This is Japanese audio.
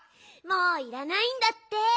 もういらないんだって。